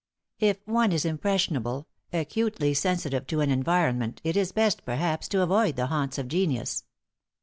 If one is impressionable, acutely sensitive to an environment, it is best, perhaps, to avoid the haunts of genius.